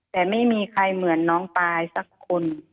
แต่ไม่มีใครเหมือนน้องปายสักคน